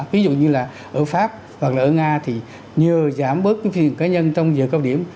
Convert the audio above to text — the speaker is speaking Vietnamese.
ví dụ như là ở pháp hoặc là ở nga thì nhờ giảm bớt cái phương tiện cá nhân trong giờ cấp điểm